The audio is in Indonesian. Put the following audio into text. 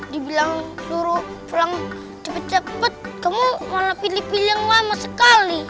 dibilang suruh pulang cepet cepet kamu malah pilih pilih yang lama sekali